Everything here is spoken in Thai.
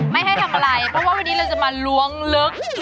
ไม่ให้ทำอะไรเพราะว่าวันนี้เราจะมาล้วงลึก